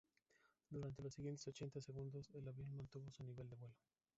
Durante los siguientes ochenta segundos el avión mantuvo su nivel de vuelo.